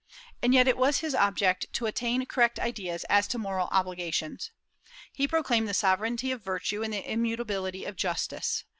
And yet it was his object to attain correct ideas as to moral obligations. He proclaimed the sovereignty of virtue and the immutability of justice.